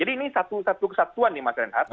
jadi ini satu satuan nih mas renat